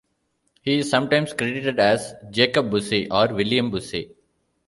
He is sometimes credited as Jacob Busey or William Busey.